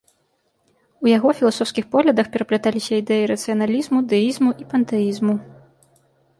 У яго філасофскіх поглядах перапляталіся ідэі рацыяналізму, дэізму і пантэізму.